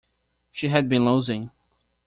She had been losing.